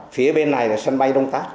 phía bên này là sân bay đông tát